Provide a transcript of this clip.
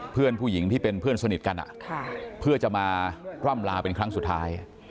เพื่อนผู้หญิงที่เป็นเพื่อนสนิทกันเพื่อจะมาร่ำลาเป็นครั้งสุดท้าย